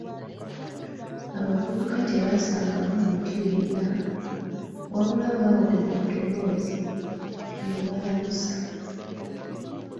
Abavubuka tebaasangamu muntu yenna, wabula baawulira eddoboozi eribalamusa.